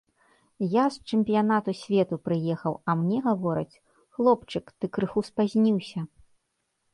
Я з чэмпіянату свету прыехаў, а мне гавораць, хлопчык, ты крыху спазніўся.